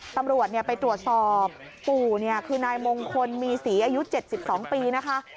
ตำรวจไปตรวจสอบปู่คือนายมงคลมีศรีอายุ๗๒ปีนะคะ